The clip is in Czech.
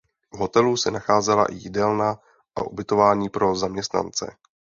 V hotelu se nacházela i jídelna a ubytování pro zaměstnance.